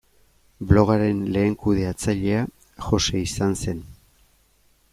Blogaren lehen kudeatzailea Jose izan zen.